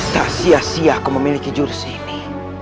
tak sia sia aku memiliki jurus ini